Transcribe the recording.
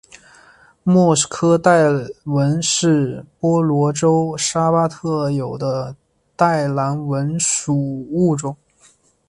莫氏蓝带蚊是婆罗洲沙巴特有的的蓝带蚊属物种。